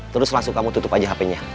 terus langsung kamu tutup aja hp nya